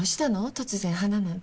突然花なんて。